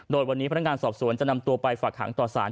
โดยวันนี้พนักงานสอบสวนจะนำตัวไปฝากหางต่อสาร